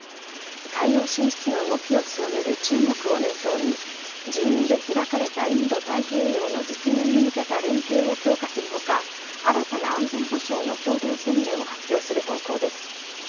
海洋進出の動きを強める中国を念頭に自由で開かれたインド太平洋の実現に向けた連携を強化する他新たな安全保障の共同宣言を発表する方向です。